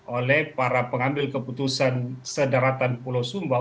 oleh para pengambil keputusan sederatan pulau sumba